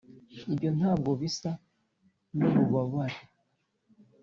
ibyo ntabwo bisa nububabare,